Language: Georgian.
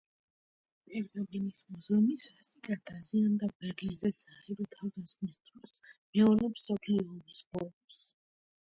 პერგამონის მუზეუმი სასტიკად დაზიანდა ბერლინზე საჰაერო თავდასხმის დროს მეორე მსოფლიო ომის ბოლოს.